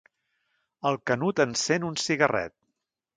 El Canut encén un cigarret.